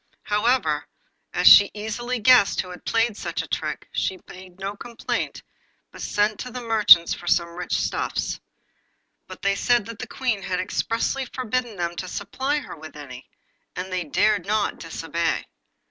However, as she easily guessed who had played her such a trick, she made no complaint, but sent to the merchants for some rich stuffs. But they said that the Queen had expressly forbidden them to supply her with any, and they dared not disobey.